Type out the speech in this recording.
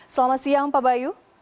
selamat siang pak bayu